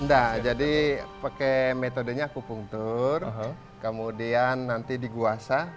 nggak jadi pakai metodenya aku pungtur kemudian nanti diguasa